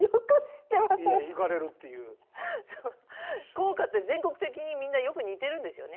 校歌って全国的にみんなよく似てるんですよね。